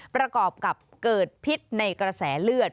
ประกอบกับเกิดพิษในกระแสเลือด